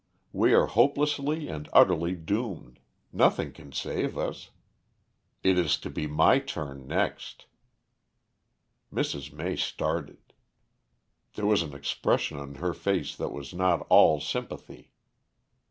We are hopelessly and utterly doomed; nothing can save us. It is to be my turn next." Mrs. May started. There was an expression on her face that was not all sympathy.